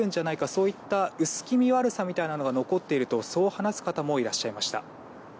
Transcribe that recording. そういった薄気味悪さみたいなものが残っていると話す方もいらっしゃいました。